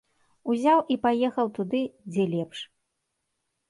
Узяў і паехаў туды, дзе лепш.